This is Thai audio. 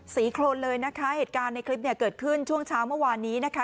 โครนเลยนะคะเหตุการณ์ในคลิปเนี่ยเกิดขึ้นช่วงเช้าเมื่อวานนี้นะคะ